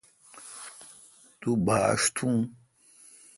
تو باݭ تھون